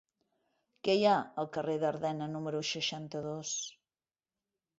Què hi ha al carrer d'Ardena número seixanta-dos?